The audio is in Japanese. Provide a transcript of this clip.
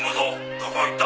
どこ行った？」